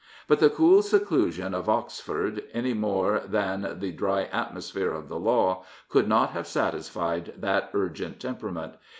But the cool seclusion of Oxford, any more than the dry atmosphere of the law, could not have satisfied that urgent temperament.